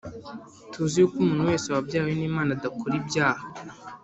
Tuzi yuko umuntu wese wabyawe n’Imana adakora ibyaha,